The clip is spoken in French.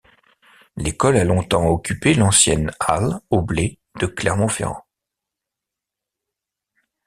L'école a longtemps occupé l’ancienne Halle aux blés de Clermont-Ferrand.